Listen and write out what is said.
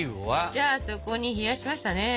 じゃあそこに冷やしましたね。